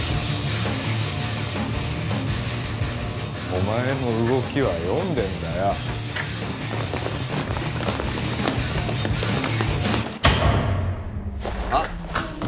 お前の動きは読んでんだよあっ